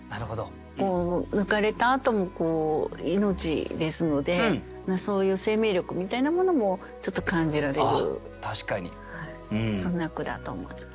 抜かれたあとも命ですのでそういう生命力みたいなものもちょっと感じられるそんな句だと思います。